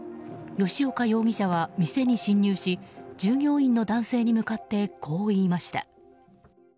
吉岡容疑者は店に侵入し従業員の男性に向かってこう言いました。